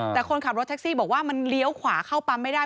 แต่คนขับรถแท็กซี่บอกว่ามันเลี้ยวขวาเข้าปั๊มไม่ได้